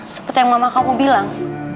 seperti yang mama kamu bilang